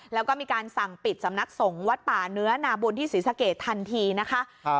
แล้วก็มีการสั่งปิดสำนักสงฆ์วัดป่าเนื้อนาบุญที่ศรีสะเกดทันทีนะคะ